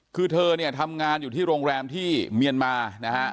คือเธอเนี่ยทำงานอยู่ที่โรงแรมที่เมียนมานะฮะ